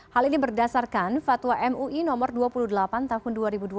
hal ini berdasarkan fatwa mui no dua puluh delapan tahun dua ribu dua puluh